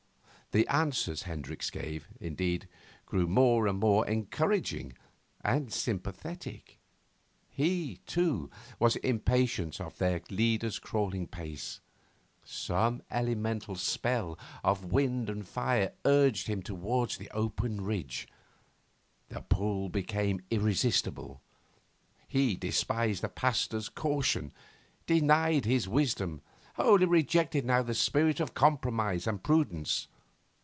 The answers Hendricks gave, indeed, grew more and more encouraging and sympathetic. He, too, was impatient with their leader's crawling pace. Some elemental spell of wind and fire urged him towards the open ridge. The pull became irresistible. He despised the Pasteur's caution, denied his wisdom, wholly rejected now the spirit of compromise and prudence.